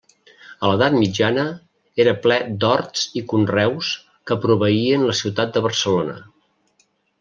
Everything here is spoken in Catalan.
A l'edat mitjana era ple d'horts i conreus que proveïen la ciutat de Barcelona.